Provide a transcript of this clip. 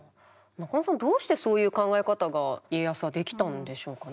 中野さんどうしてそういう考え方が家康はできたんでしょうかね。